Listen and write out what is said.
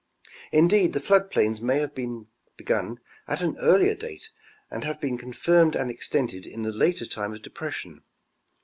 Indeed, the flood plains may have been begun at an earlier date, and have been confirmed and extended in the later time of depression.